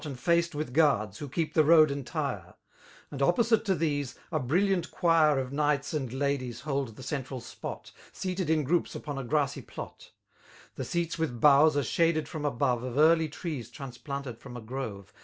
And faced with guards^ who kecfi the road entire; And opposite to ^beae, a brilliant quire Of knights and ladies hold the central spot> Seated in groups upon a grassy {dot; The seats with boughs are shaded from above Of early trees transplanted from a grove.